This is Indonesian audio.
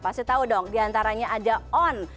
pasti tahu dong diantaranya ada on